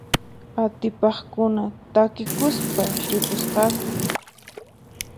Atipaqkuna takikuspa ripusqaku.